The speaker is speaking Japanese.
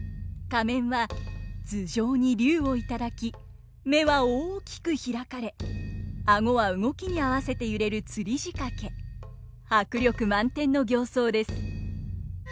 仮面は頭上に龍を頂き目は大きく開かれ顎は動きに合わせて揺れる吊り仕掛け迫力満点の形相です。